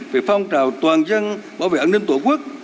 về phong trào toàn dân bảo vệ an ninh tổ quốc